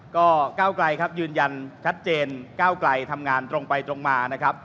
ก็ก้าวไกลครับยืนยันชัดเจนก้าวไกลทำงานตรงไปตรงมานะครับ